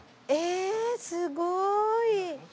えすごい！